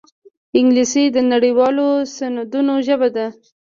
انګلیسي د نړيوالو سندونو ژبه ده